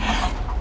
aku mau ke rumah